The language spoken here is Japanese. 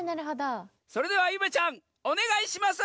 それではゆめちゃんおねがいします！